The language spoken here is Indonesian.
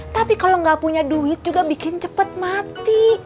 tapi kalau gak punya duit juga bikin cepat mati